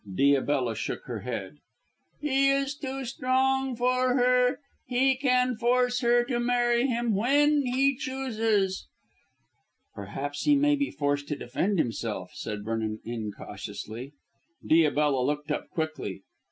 Diabella shook her head. "He is too strong for her. He can force her to marry him when he chooses." "Perhaps he may be forced to defend himself," said Vernon incautiously. Diabella looked up quickly.